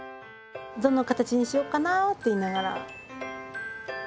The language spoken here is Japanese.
どの形にしよっかなって言いながら。